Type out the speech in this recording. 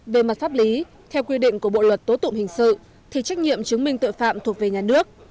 về mặt pháp lý theo quy định của bộ luật tố tụng hình sự thì trách nhiệm chứng minh tội phạm thuộc về nhà nước